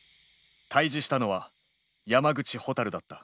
対じしたのは山口蛍だった。